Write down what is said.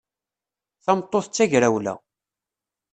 Tameṭṭut d tagrawla.